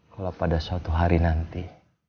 kalau pada suatu hari nanti